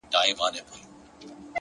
ارزښتمن ژوند له روښانه موخې پیلېږي.